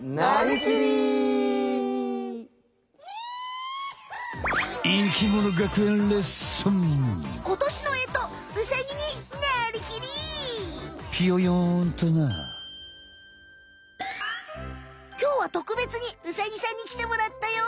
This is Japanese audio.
きょうはとくべつにウサギさんにきてもらったよ。